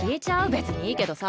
別にいいけどさ。